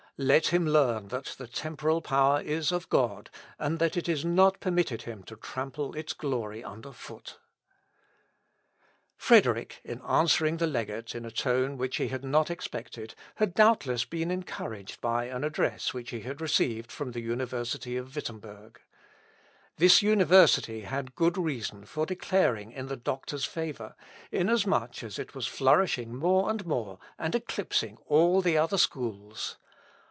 Let him learn that the temporal power is of God, and that it is not permitted him to trample its glory under foot." Luth. Ep. i, p. 198. Frederick, in answering the legate in a tone which he had not expected, had doubtless been encouraged by an address which he had received from the university of Wittemberg. This university had good reason for declaring in the doctor's favour, in as much as it was flourishing more and more, and eclipsing all the other schools.